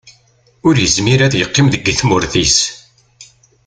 Ur yezmir ara ad yeqqim deg tmurt-is.